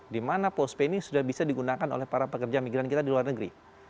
di mana postpay ini sudah bisa digunakan oleh para pekerja migran kita di luar negeri